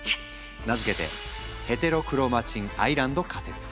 名付けてヘテロクロマチン・アイランド仮説。